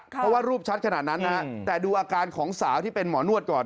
เพราะว่ารูปชัดขนาดนั้นนะแต่ดูอาการของสาวที่เป็นหมอนวดก่อน